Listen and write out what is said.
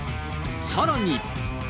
さらに。